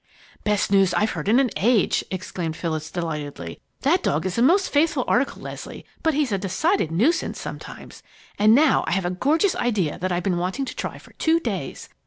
"Best news I've heard in an age!" exclaimed Phyllis, delightedly. "That dog is a most faithful article, Leslie, but he's a decided nuisance sometimes! And now, I have a gorgeous idea that I've been wanting to try for two days.